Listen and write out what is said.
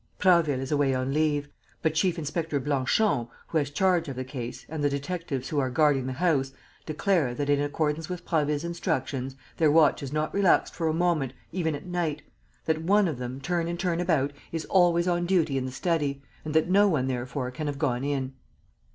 "Prasville is away on leave. But Chief inspector Blanchon, who has charge of the case, and the detectives who are guarding the house declare that, in accordance with Prasville's instructions, their watch is not relaxed for a moment, even at night; that one of them, turn and turn about, is always on duty in the study; and that no one, therefore, can have gone in."